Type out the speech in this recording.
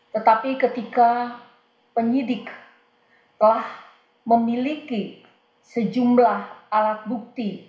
tetapi ketika penyidik telah memiliki sejumlah alat bukti